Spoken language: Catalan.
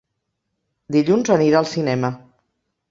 Dilluns anirà al cinema.